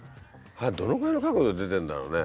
あれはどのくらいの角度で出てるんだろうね？